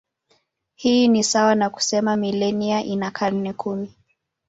Hii ni sawa na kusema milenia ina karne kumi.